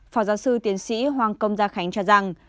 phó giáo sư tiến sĩ hoàng công gia khánh cho rằng